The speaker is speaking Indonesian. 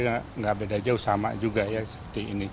tidak beda jauh sama juga ya seperti ini